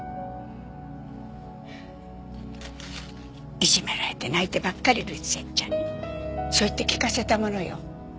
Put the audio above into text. いじめられて泣いてばかりいるセッちゃんにそう言って聞かせたものよ。